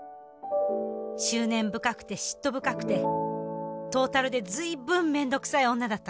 執念深くて嫉妬深くてトータルでずいぶん面倒くさい女だった事。